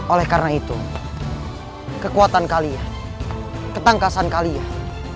oleh karena itu kekuatan kalian ketangkasan kalian